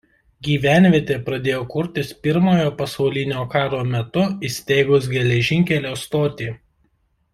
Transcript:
Gyvenvietė pradėjo kurtis Pirmojo pasaulinio karo metu įsteigus geležinkelio stotį.